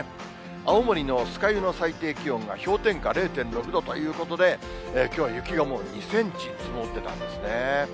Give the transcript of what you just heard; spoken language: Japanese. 青森の酸ヶ湯の最低気温が氷点下０．６度ということで、きょうは雪がもう２センチ積もってたんですね。